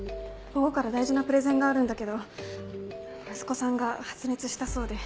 午後から大事なプレゼンがあるんだけど息子さんが発熱したそうで。